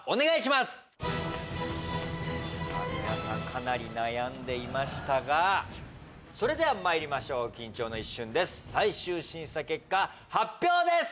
かなり悩んでいましたがそれではまいりましょう緊張の一瞬です最終審査結果発表です